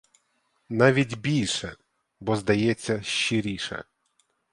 Навіть більше, бо, здається, щиріше.